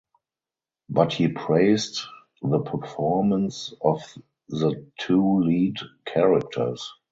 But he praised the performance of the two lead characters.